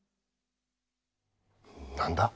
何だ？